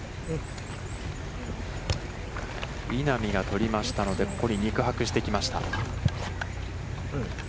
稲見が取りましたので、肉薄してきました。